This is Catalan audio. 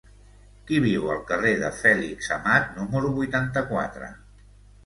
Qui viu al carrer de Fèlix Amat número vuitanta-quatre?